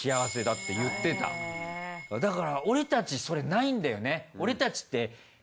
だから俺たちそれないんだよね。